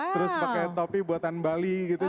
terus pakai topi buatan bali gitu